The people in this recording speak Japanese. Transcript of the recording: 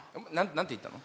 何て言ったの？